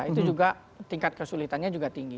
itu juga tingkat kesulitannya juga tinggi